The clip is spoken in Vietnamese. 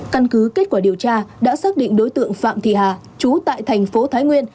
căn cứ kết quả điều tra đã xác định đối tượng phạm thị hà chú tại thành phố thái nguyên